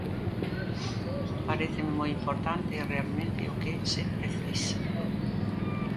Paréceme moi importante, é realmente o que se precisa.